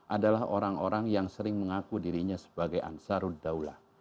adalah orang orang yang sering mengaku dirinya sebagai ansaruddaulah